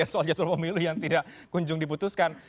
soal jadwal pemilu yang tidak kunjung diputuskan